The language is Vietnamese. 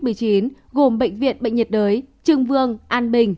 bệnh viện covid một mươi chín gồm bệnh viện bệnh nhiệt đới trường vương an bình